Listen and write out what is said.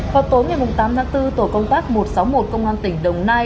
vào tối ngày tám tháng bốn tổ công tác một trăm sáu mươi một công an tỉnh đồng nai